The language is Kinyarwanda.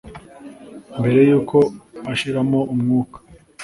mbere y’uko ashiramo umwuka